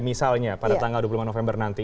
misalnya pada tanggal dua puluh lima november nanti